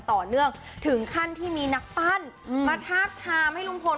ต่อเนื่องถึงขั้นที่มีนักปั้นมาทาบทามให้ลุงพล